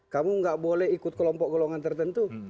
kamu tidak boleh ikut kelompok kelompok tertentu